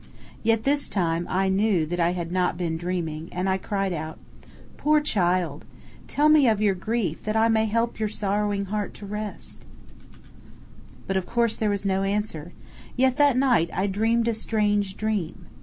Yet this time I knew that I had not been dreaming, and I cried out: "Poor child! tell me of your grief that I may help your sorrowing heart to rest." But, of course, there was no answer; yet that night I dreamed a strange dream.